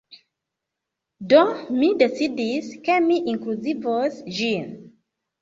Do, mi decidis, ke mi inkluzivos ĝin